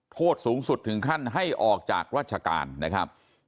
โทษสูงสุดถึงขั้นให้ออกจากราชการนะครับ